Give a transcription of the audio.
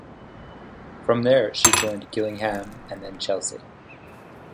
From there she joined Gillingham and then Chelsea.